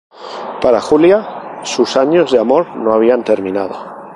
Para Julia, sus años de amor no habían terminado.